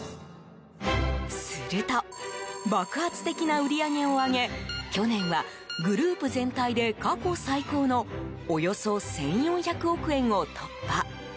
すると爆発的な売り上げを上げ去年はグループ全体で過去最高のおよそ１４００億円を突破。